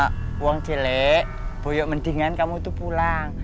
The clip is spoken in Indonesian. eh uang jelek boyok mendingan kamu tuh pulang